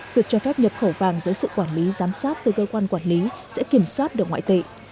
việc cho phép nhập khẩu vàng dưới sự quản lý giám sát từ cơ quan quản lý sẽ kiểm soát được ngoại tệ